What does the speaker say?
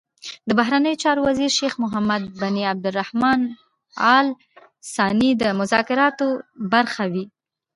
د بهرنیو چارو وزیر شیخ محمد بن عبدالرحمان ال ثاني د مذاکراتو برخه وي.